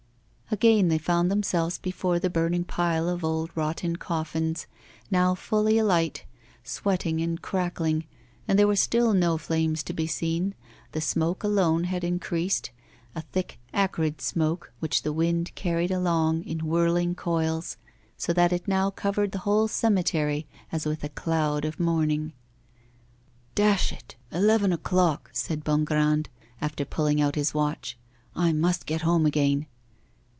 Again they found themselves before the burning pile of old rotten coffins, now fully alight, sweating and crackling; but there were still no flames to be seen, the smoke alone had increased a thick acrid smoke, which the wind carried along in whirling coils, so that it now covered the whole cemetery as with a cloud of mourning. 'Dash it! Eleven o'clock!' said Bongrand, after pulling out his watch. 'I must get home again.